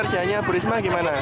langsung berusuhan gitu mas